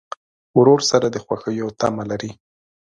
ورور سره د خوښیو تمه لرې.